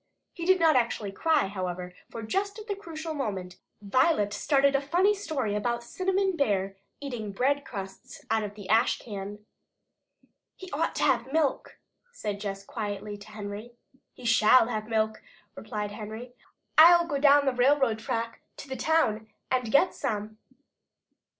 He did not actually cry, however, for just at the crucial moment Violet started a funny story about Cinnamon Bear eating bread crusts out of the ash can. "He ought to have milk," said Jess quietly to Henry. "He shall have milk," replied Henry. "I'll go down the railroad track to the town and get some."